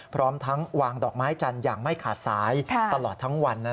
พร้อมทั้งวางดอกไม้จันทร์อย่างไม่ขาดสายตลอดทั้งวัน